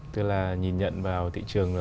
tức là nhìn nhận vào thị trường